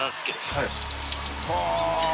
はい。